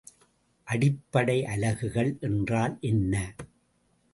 அடிப்படை அலகுகள் என்றால் என்ன?